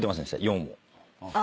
４を。